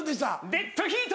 「デッドヒート！